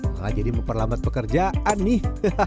maka jadi memperlambat pekerjaan nih